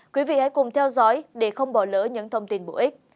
quý vị hãy cùng theo dõi để không bỏ lỡ những thông tin bổ ích